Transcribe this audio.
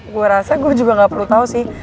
gue rasa gue juga gak perlu tahu sih